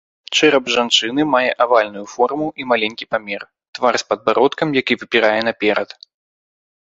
Чэрап жанчыны мае авальную форму і маленькі памер, твар з падбародкам, які выпірае наперад.